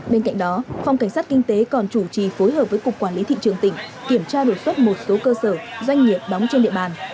bên cạnh đó phòng cảnh sát kinh tế còn chủ trì phối hợp với cục quản lý thị trường tỉnh kiểm tra đột xuất một số cơ sở doanh nghiệp đóng trên địa bàn